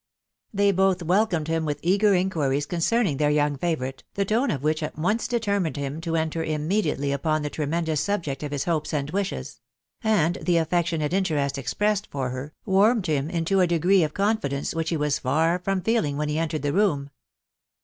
They both welcomed him with eager inquiries concerning their young favourite, the tone of which at once determined him to enter immediately upon the tre mendous subject of his hopes and wishes ; and the affectionate interest expressed for her, warmed him into a degree of confidence which he was far from feeling when he entered the room.